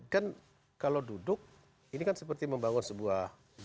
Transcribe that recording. kan kalau duduk ini kan seperti membangun sebuah